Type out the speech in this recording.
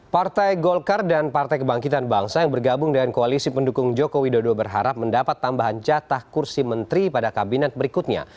partai golkar dan partai kebangkitan bangsa yang bergabung dengan koalisi pendukung jokowi dodo berharap mendapat tambahan jatah kursi menteri pada kabinet berikutnya